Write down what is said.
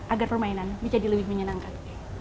agar permainan menjadi lebih menyenangkan